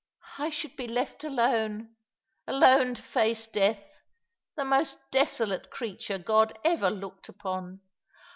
I should be left alone — alone to faco death — the most desolate creature God ever looked upon.